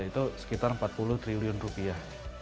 itu sekitar empat puluh triliun rupiah